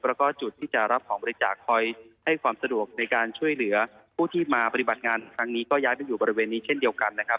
แล้วก็จุดที่จะรับของบริจาคคอยให้ความสะดวกในการช่วยเหลือผู้ที่มาปฏิบัติงานครั้งนี้ก็ย้ายไปอยู่บริเวณนี้เช่นเดียวกันนะครับ